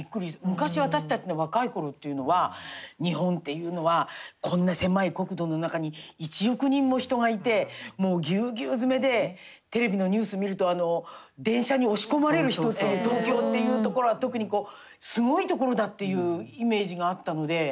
昔私たちの若い頃っていうのは日本っていうのはこんな狭い国土の中に１億人も人がいてもうぎゅうぎゅう詰めでテレビのニュース見ると電車に押し込まれる人東京っていう所は特にすごい所だっていうイメージがあったので。